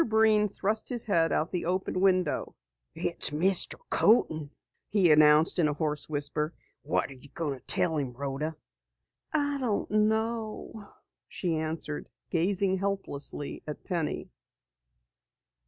Breen thrust his head out the open window. "It's Mr. Coaten," he announced in a hoarse whisper. "What are you going to tell him Rhoda?" "I don't know," she answered, gazing helplessly at Penny.